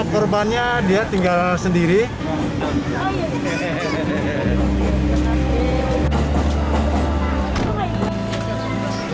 korban tinggal dengan siapa